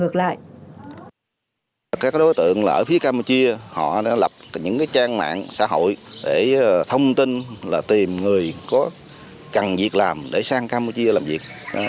các đối tượng ở campuchia lập các trang mạng xã hội để tìm người cần việc làm để sang campuchia làm việc